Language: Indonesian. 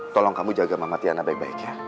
tolong kamu jaga mama tiana baik baik ya